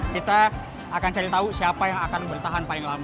kita akan cari tahu siapa yang akan bertahan paling lama